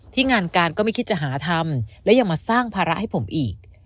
งานการก็ไม่คิดจะหาทำและยังมาสร้างภาระให้ผมอีก